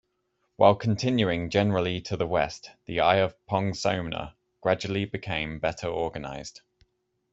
While continuing generally to the west, the eye of Pongsona gradually became better organized.